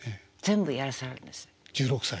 １６歳。